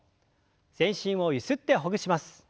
全身をゆすってほぐします。